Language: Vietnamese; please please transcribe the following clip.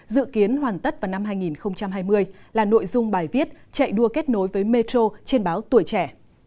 dự kiến hoàn tất vào năm hai nghìn hai mươi là nội dung bài viết chạy đua kết nối với metro trên báo tuổi trẻ